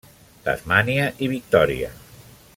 Tasmània i Victòria.